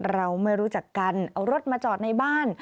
เราไม่รู้จักกันเอารถมาจอดในบ้าน